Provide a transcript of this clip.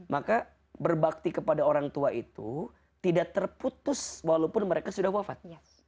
maka berbakti kepada orang tua itu tidak terputus walaupun mereka sudah wafat